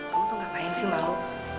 kamu tuh ngapain sih malu